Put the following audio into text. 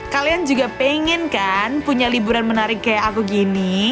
kalian juga pengen kan punya liburan menarik kayak aku gini